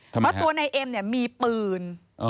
เพราะตัวในเอ็มมีปืน